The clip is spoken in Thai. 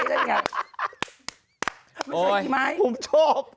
ไม่ใช่ไอ่ไหมย์ไอ่ได้ไหมย์ผมชอบ